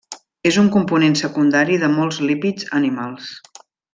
És un component secundari de molts lípids animals.